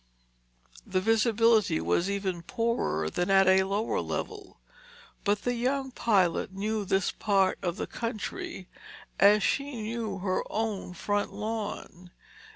The visibility was even poorer than at a lower level, but the young pilot knew this part of the country as she knew her own front lawn.